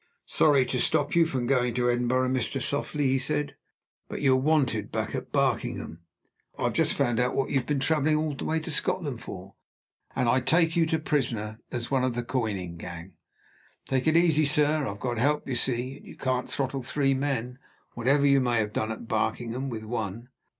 "Sorry to stop you from going to Edinburgh, Mr. Softly," he said. "But you're wanted back at Barkingham. I've just found out what you have been traveling all the way to Scotland for; and I take you prisoner, as one of the coining gang. Take it easy, sir. I've got help, you see; and you can't throttle three men, whatever you may have done at Barkingham with one."